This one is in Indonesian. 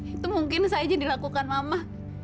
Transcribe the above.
itu mungkin saja dilakukan mama